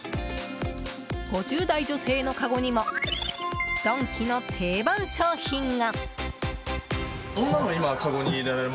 ５０代女性のかごにもドンキの定番商品が。